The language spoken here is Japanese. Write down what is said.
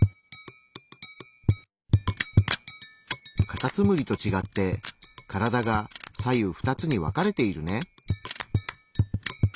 カタツムリと違って体が左右２つに分かれているね。